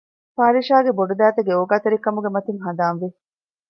ފާރިޝާގެ ބޮޑުދައިތަގެ އޯގާތެރިކަމުގެ މަތީން ހަނދާންވި